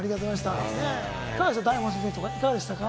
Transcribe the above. いかがでしたか？